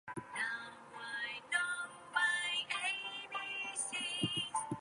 The areas close to the water were home to Nice's dockworkers and fishermen.